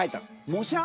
模写！